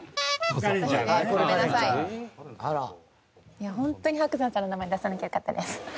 いや本当に伯山さんの名前出さなきゃよかったです。